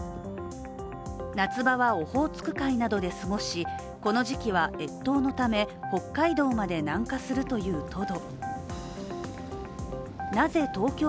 夏場はオホーツク海などで過ごしこの時期は越冬のため北海道まで南下するというトド。